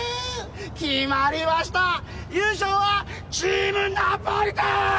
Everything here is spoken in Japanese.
決まりました優勝はチームナポリタン！